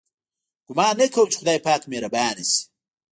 ګومان نه کوم چې خدای پاک مهربانه شي.